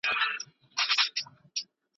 هر سړی د خپل عقل مطابق پرېکړه کوي.